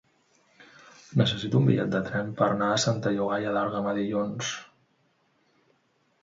Necessito un bitllet de tren per anar a Santa Llogaia d'Àlguema dilluns.